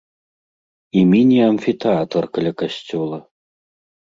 І міні-амфітэатр каля касцёла.